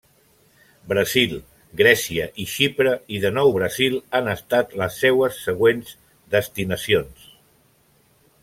Brasil, Grècia, Xipre i de nou Brasil han estat les seues següents destinacions.